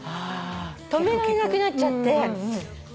止められなくなっちゃって。